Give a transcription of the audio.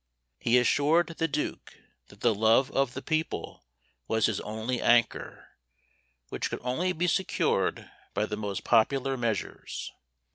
He assured the duke that the love of the people was his only anchor, which could only be secured by the most popular measures.